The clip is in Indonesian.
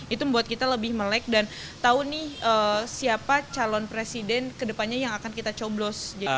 itu membuat kita lebih melek dan tahu nih siapa calon presiden kedepannya yang akan kita coblos